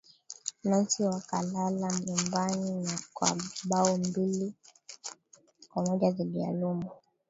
nancy wakalala nyumbani kwa bao mbili kwa moja dhidi ya lumo